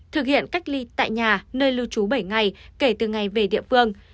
thực hiện cách ly tại nhà nơi lưu trú bảy ngày kể từ ngày về địa phương